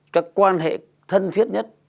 các quan hệ thân thiết nhất